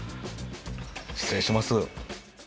失礼します。